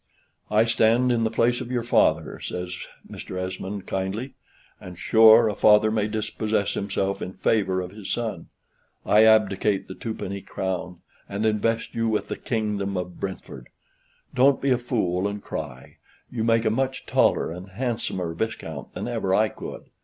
"I stand in the place of your father," says Mr. Esmond, kindly, "and sure a father may dispossess himself in favor of his son. I abdicate the twopenny crown, and invest you with the kingdom of Brentford; don't be a fool and cry; you make a much taller and handsomer viscount than ever I could."